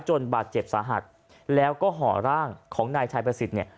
บาดเจ็บสาหัสแล้วก็ห่อร่างของนายชายประสิทธิ์เนี่ย